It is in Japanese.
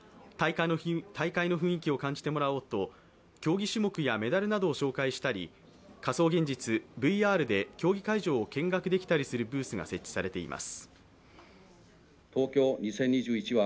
大会の雰囲気を感じてもらおうと競技種目やメダルなどを紹介したり仮想現実＝ＶＲで競技会場を見学できたりするブースが設置されています。